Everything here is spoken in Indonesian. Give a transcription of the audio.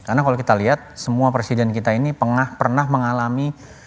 karena kalau kita lihat semua presiden kita ini pernah mengalami